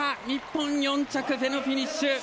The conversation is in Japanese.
日本、４着でのフィニッシュ。